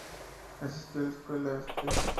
Asistió a la escuela St.